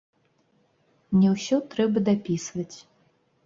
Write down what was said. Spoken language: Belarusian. Не ўсё трэба дапісваць.